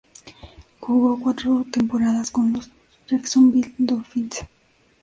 Jugó cuatro temporadas con los "Jacksonville Dolphins".